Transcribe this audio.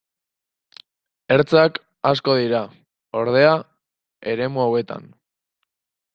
Ertzak asko dira, ordea, eremu hauetan.